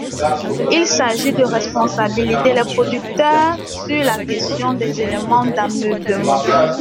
Il s’agit de responsabiliser les producteurs sur la question des éléments d’ameublement.